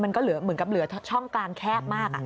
มันเหมือนกับเหลือช่องกลางแคบมาก